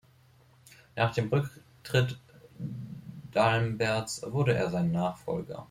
Nach dem Rücktritt d’Alemberts wurde er sein Nachfolger.